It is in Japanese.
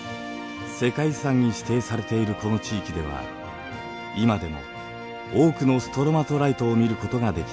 世界遺産に指定されているこの地域では今でも多くのストロマトライトを見ることができます。